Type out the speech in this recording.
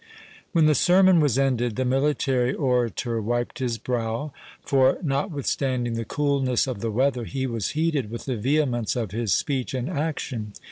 When the sermon was ended, the military orator wiped his brow; for, notwithstanding the coolness of the weather, he was heated with the vehemence of his speech and action.